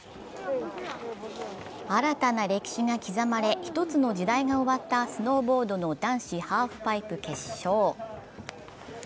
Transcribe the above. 新たな歴史が刻まれ、一つの時代が終わった、スノーボードの男子ハーフパイプ決勝。